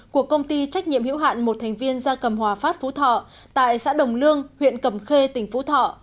của công ty trách nhiệm hữu hạn một thành viên gia cầm hòa phát phú thọ tại xã đồng lương huyện cầm khê tỉnh phú thọ